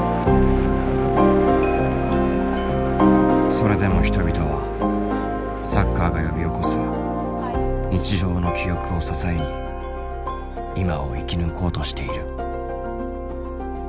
それでも人々はサッカーが呼び起こす日常の記憶を支えに今を生き抜こうとしている。